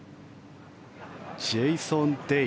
ジェイソン・デイ。